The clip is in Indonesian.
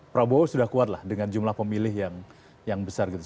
prabowo sudah kuatlah dengan jumlah pemilih yang besar gitu